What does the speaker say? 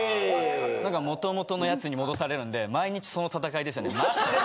なんか元々のやつに戻されるんで毎日その戦いですよね。